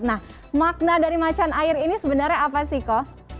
nah makna dari macan air ini sebenarnya apa sih kok